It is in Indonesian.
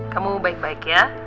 kamu baik baik ya